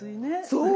そう。